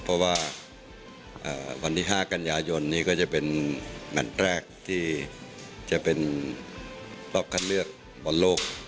เพราะว่าวันที่๕กันยายนนี้ก็จะเป็นแมทแรกที่จะเป็นรอบคัดเลือกบอลโลก